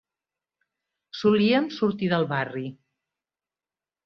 Solíem sortir del barri.